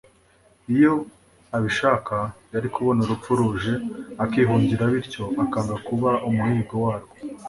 Iyo abishaka yari kubona urupfu ruje akihungira bityo akanga kuba umuhigo warwo;